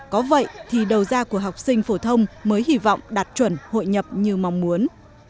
có vậy thì đầu ra của học sinh phổ thông mới hy vọng đạt chuẩn hội nhập như mong muốn